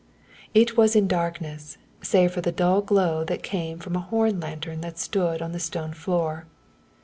It was in darkness, save for the dull glow that came from a horn lantern that stood on the stone floor.